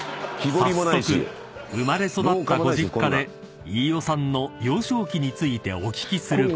［早速生まれ育ったご実家で飯尾さんの幼少期についてお聞きすることに］